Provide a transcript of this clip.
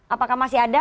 apakah masih ada